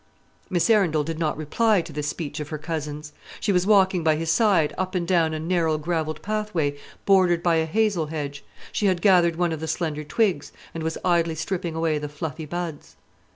Miss Arundel did not reply to this speech of her cousin's. She was walking by his side up and down a narrow gravelled pathway, bordered by a hazel hedge; she had gathered one of the slender twigs, and was idly stripping away the fluffy buds.